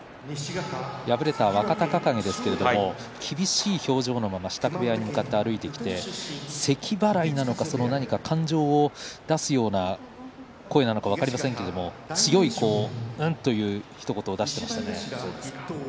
敗れた若隆景ですが厳しい表情のまま支度部屋に戻ってきてせきばらいなのか何か感情を出すような声なのか分かりませんが強い何というか、ひと言を出していましたね。